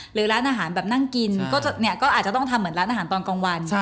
ร้านอาหารแบบนั่งกินก็อาจจะต้องทำเหมือนร้านอาหารตอนกลางวัน